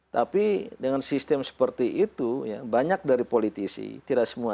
tapi dengan sistem seperti itu banyak dari politisi tidak semua